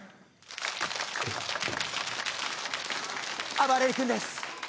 あばれる君です。